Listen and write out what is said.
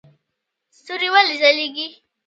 ستوري ولې ځلیږي؟